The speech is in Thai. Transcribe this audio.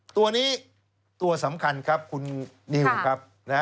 ตัวนี้ตัวสำคัญครับคุณนิวครับ